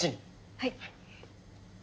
はい。